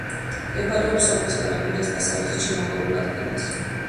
მდებარეობს სოფლის განაპირას, დასავლეთით, შემაღლებულ ადგილას.